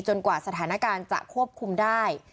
กว่าสถานการณ์จะควบคุมได้